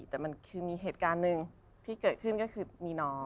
แต่มันคือมีเหตุการณ์หนึ่งที่เกิดขึ้นก็คือมีน้อง